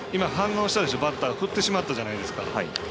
バッターが振ってしまったじゃないですか。